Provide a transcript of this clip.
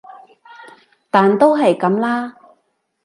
但都係噉啦